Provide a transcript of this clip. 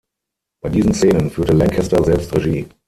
Bei diesen Szenen führte Lancaster selbst Regie.